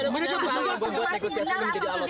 mereka bersihkan berbuat negosiasi dengan kita